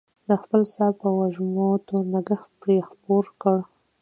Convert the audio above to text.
د خپل ساه په وږمو تور نګهت پرې خپور کړه